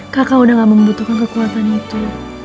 kakak udah gak membutuhkan kekuatan itu